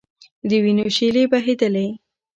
د وینو شېلې بهېدلې.